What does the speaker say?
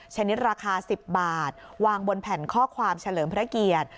ชนิดราคา๑๐บาทวางบนแผ่นข้อความเฉลิมพระเกียรติ